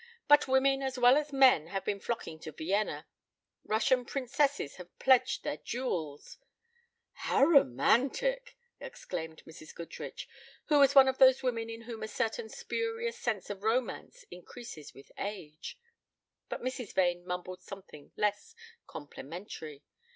But women as well as men have been flocking to Vienna. Russian princesses have pledged their jewels " "How romantic!" exclaimed Mrs. Goodrich, who was one of those women in whom a certain spurious sense of romance increases with age. But Mrs. Vane mumbled something less complimentary.